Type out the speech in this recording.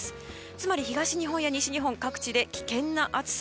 つまり東日本や西日本各地で危険な暑さ。